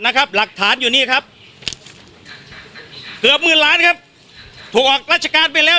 หลักฐานอยู่นี่ครับเกือบหมื่นล้านครับถูกออกราชการไปแล้ว